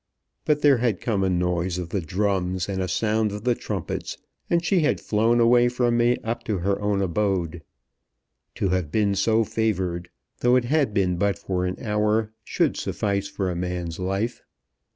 But there had come a noise of the drums and a sound of the trumpets, and she had flown away from me up to her own abode. To have been so favoured, though it had been but for an hour, should suffice for a man's life.